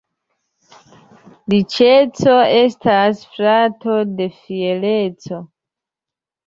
Riĉeco estas frato de fiereco.